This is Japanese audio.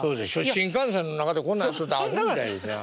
新幹線の中でこんなんしとったらアホみたいですやん。